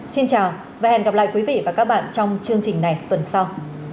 xin chào và hẹn gặp lại quý vị và các bạn trong chương trình này tuần sau